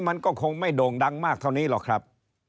มันก็คงไม่โด่งดังมากเท่านี้หรอกครับ